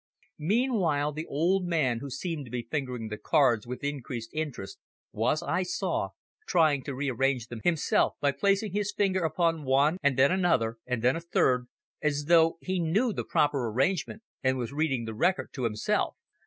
Meanwhile, the old man who seemed to be fingering the cards with increased interest was, I saw, trying to rearrange them himself by placing his finger upon one and then another, and then a third, as though he knew the proper arrangement, and was reading the record to himself.